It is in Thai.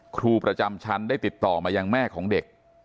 ครูประจำชั้นได้ติดต่อมายังแม่ของเด็ก